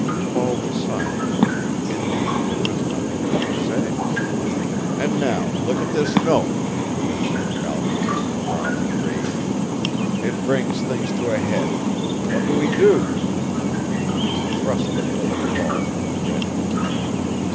Paul was silent. Indeed there was nothing that he could say. "And now look at this note," pursued Balcom, in growing rage. "It brings things to a head. What can we do?" He thrust the note at Paul, who read it.